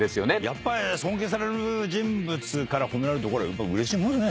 やっぱ尊敬される人物から褒められるとうれしいもんですよね